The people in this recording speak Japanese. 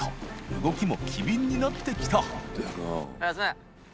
動きも機敏になってきた小坂井さん）